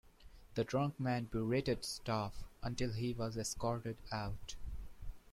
The drunk man berated staff until he was escorted out.